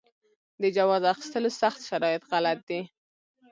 د جواز اخیستلو سخت شرایط غلط دي.